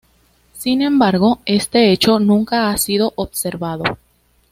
Sin embargo, este hecho nunca ha sido observado.